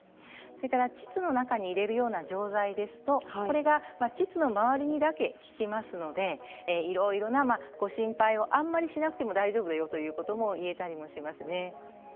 それから、ちつの中に入れるような錠剤ですとちつの周りにだけ効きますのでいろいろな心配をあまりしなくても大丈夫だろうということを言えたりもしますね。